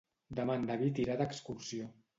Demà en David irà d'excursió.